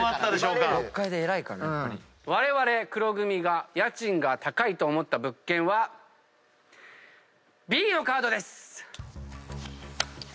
われわれ黒組が家賃が高いと思った物件はＢのカードです。